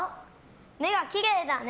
目はきれいだね。